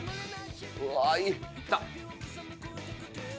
うわっいった。